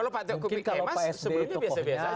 kalau pak taufik kemas sebelumnya biasa biasa aja